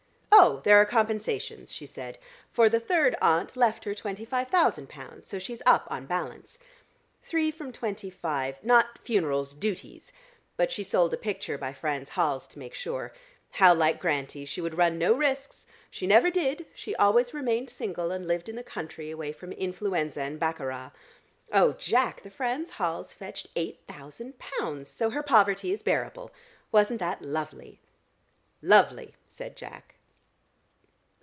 "Oh! There are compensations," she said, "for the third aunt left her twenty five thousand pounds, so she's up on balance. Three from twenty five.... Not funerals: duties. But she sold a picture by Franz Hals to make sure. How like Grantie: she would run no risks! She never did; she always remained single and lived in the country away from influenza and baccarat. Oh, Jack, the Franz Hals fetched eight thousand pounds, so her poverty is bearable. Wasn't that lovely?" "Lovely!" said Jack.